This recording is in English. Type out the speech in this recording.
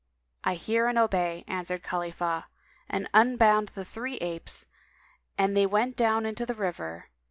"I hear and obey," answered Khalifah and unbound the three apes, and they went down into the river.